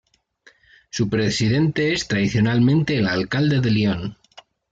Su presidente es tradicionalmente el alcalde de Lyon.